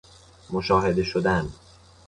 مشاهده شدن